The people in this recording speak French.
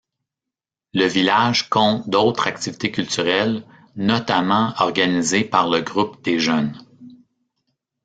Le village compte d'autres activités culturelles, notamment organisées par le Groupe des Jeunes.